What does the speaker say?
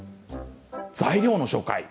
材料の紹介。